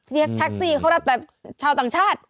เรียกแท็กซี่เขารับแบบชาวต่างชาติ